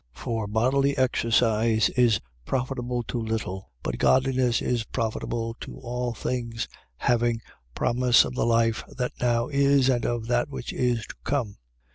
4:8. For bodily exercise is profitable to little: but godliness is profitable to all things, having promise of the life that now is and of that which is to come.